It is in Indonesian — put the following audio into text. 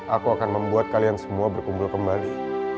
aku akan membuat kalian semua berkumpul kembali